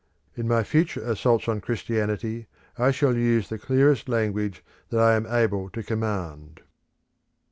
In my future assaults on Christianity I shall use the clearest language that I am able to command.